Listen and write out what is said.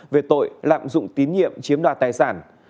về tội lạm dụng tín nhiệm chiếm đoạt tài sản